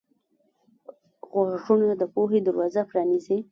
غوږونه د پوهې دروازه پرانیزي